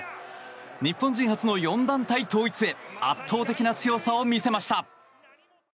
日本人初の４団体統一へ圧倒的な強さを見せました。